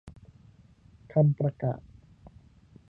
คำประกาศ